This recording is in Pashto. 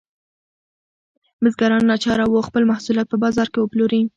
بزګران ناچاره وو خپل محصولات په بازار کې وپلوري.